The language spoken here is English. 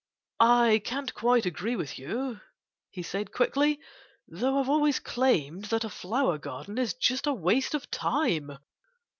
"I can't quite agree with you," he said quickly, "though I've always claimed that a flower garden is just a waste of time."